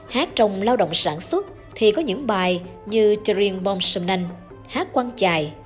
hát trong lao động sản xuất thì có những bài như chầm riêng bonserong hát quang trài